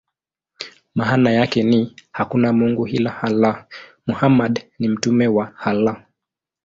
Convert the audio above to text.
Maana yake ni: "Hakuna mungu ila Allah; Muhammad ni mtume wa Allah".